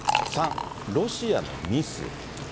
３、ロシアのミス。